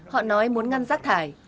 họ nói muốn ngăn rác thải